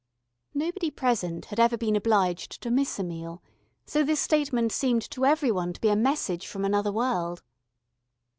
Nobody present had ever been obliged to miss a meal, so this statement seemed to every one to be a message from another world.